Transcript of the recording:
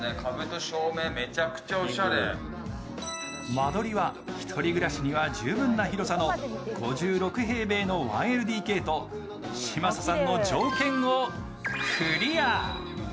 間取りは１人暮らしには十分な広さの５６平米の１ＬＤＫと嶋佐さんの条件をクリア。